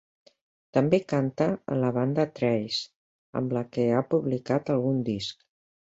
També canta en la banda Trace, amb la que ha publicat algun disc.